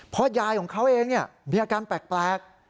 เพราะยายของเขาเองมีอาการแปลก